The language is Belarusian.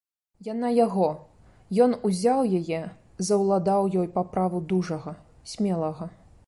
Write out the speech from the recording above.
Яна яго, ён узяў яе, заўладаў ёй па праву дужага, смелага.